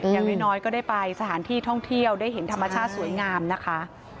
อย่างน้อยก็ได้ไปสถานที่ท่องเที่ยวได้เห็นธรรมชาติสวยงามนะคะ